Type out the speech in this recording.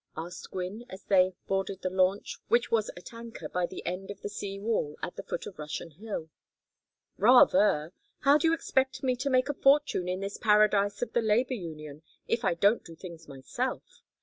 asked Gwynne, as they boarded the launch, which was at anchor by the end of the sea wall at the foot of Russian Hill. "Rather. How do you expect me to make a fortune in this paradise of the labor union if I don't do things myself?